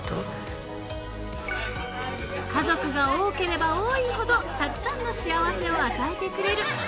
［家族が多ければ多いほどたくさんの幸せを与えてくれる］